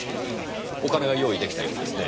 お金が用意出来たようですね。